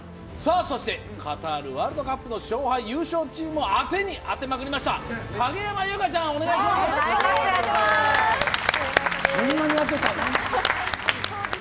そしてカタールワールドカップの勝敗優勝チームを当てに当てまくりました、影山優佳ちゃん、お願いします。